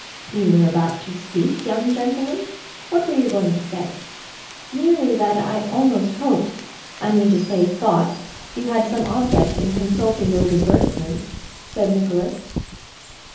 'You were about to speak, young gentleman; what were you going to say?' 'Merely that I almost hoped I mean to say, thought you had some object in consulting those advertisements,' said Nicholas.